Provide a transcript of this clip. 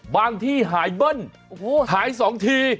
ที่หายเบิ้ลหาย๒ที